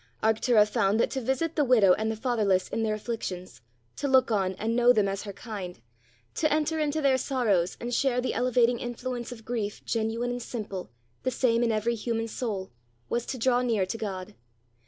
Arctura found that to visit the widow and the fatherless in their afflictions; to look on and know them as her kind; to enter into their sorrows, and share the elevating influence of grief genuine and simple, the same in every human soul, was to draw near to God.